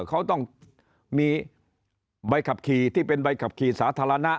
เขาต้องมีใบขับขี่ที่เป็นใบขับขี่สาธารณะ